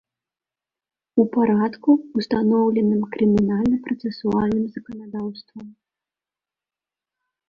У парадку, устаноўленым крымінальна-працэсуальным заканадаўствам.